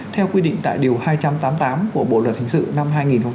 theo quy định tại điều hai trăm tám mươi tám của bộ luật hình sự năm hai nghìn một mươi năm